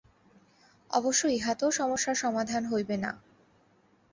অবশ্য ইহাতেও সমস্যার সমাধান হইবে না।